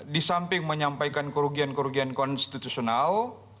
di samping menyampaikan kerugian kerugian konstitusional